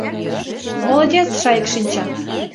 — Молодец, Шайык Шинча!